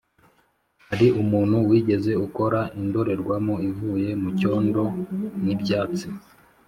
hari umuntu wigeze akora indorerwamo ivuye mucyondo n'ibyatsi?